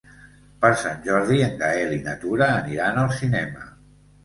Per Sant Jordi en Gaël i na Tura aniran al cinema.